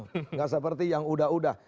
tidak seperti yang sudah sudah